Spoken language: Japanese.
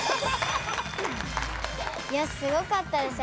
いやすごかったです。